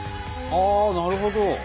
ああなるほど！